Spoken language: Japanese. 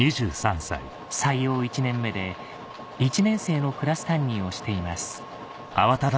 採用１年目で１年生のクラス担任をしています